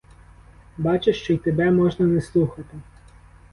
Бачиш, що й тебе можна не слухати.